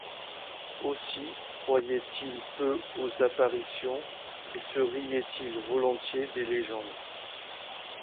Aussi, croyait-il peu aux apparitions, et se riait-il volontiers des légendes.